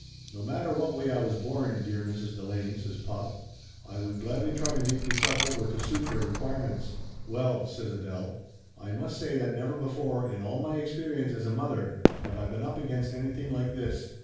"No matter what way I was born, dear Mrs. De lane," says pop, "I would gladly try to make meself over to suit your requirements." "Well !" says Adele. "I must say that never before in all my experience as a mother have I been up against anything like this.